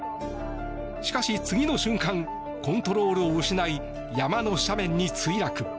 しかし、次の瞬間コントロールを失い山の斜面に墜落。